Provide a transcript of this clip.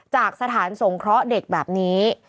จากสถานสงเคราะห์เด็กแบบนี้